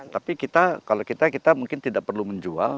tapi kita kalau kita mungkin tidak perlu menjual